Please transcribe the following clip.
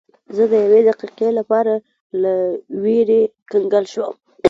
زه د یوې دقیقې لپاره له ویرې کنګل شوم.